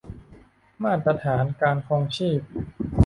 มาตรฐานการครองชีพ